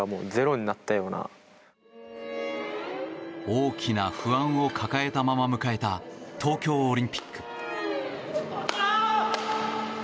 大きな不安を抱えたまま迎えた東京オリンピック。